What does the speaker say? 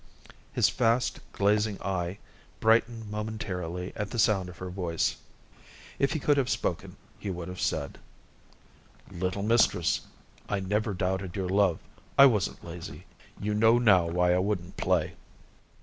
His fast glazing eye brightened momentarily at the sound of her voice. If he could have spoken, he would have said: "Little mistress, I never doubted your love. I wasn't lazy. You know now why I wouldn't play."